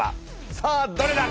さあどれだ？